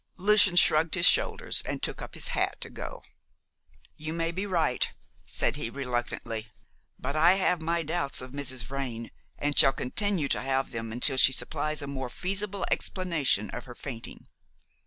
Lucian shrugged his shoulders, and took up his hat to go. "You may be right," said he reluctantly, "but I have my doubts of Mrs. Vrain, and shall continue to have them until she supplies a more feasible explanation of her fainting.